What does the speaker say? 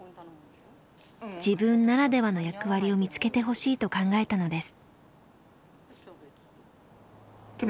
自分ならではの役割を見つけてほしいと考えたのです。